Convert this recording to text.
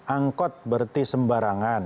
angkot berarti sembarangan